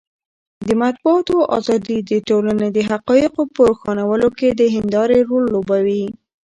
د مطبوعاتو ازادي د ټولنې د حقایقو په روښانولو کې د هندارې رول لوبوي.